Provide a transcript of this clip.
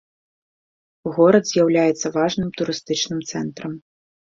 Горад з'яўляецца важным турыстычным цэнтрам.